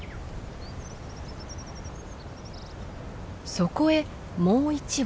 そこへもう１羽。